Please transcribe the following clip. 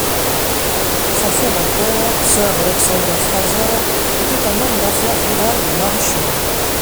Son fondateur, Sir Alexander Fraser, était un homme d'affaires rival de Marischal.